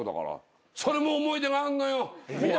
それも思い出があるのよ。